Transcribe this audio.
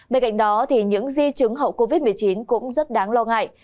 bên cạnh đó những di chứng hậu covid một mươi chín cũng rất đáng lo ngại